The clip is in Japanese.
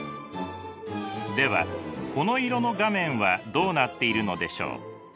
ではこの色の画面はどうなっているのでしょう？